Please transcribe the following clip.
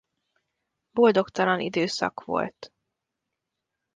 Boldogtalan időszak volt.